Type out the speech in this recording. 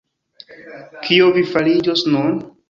Kio vi fariĝos nun?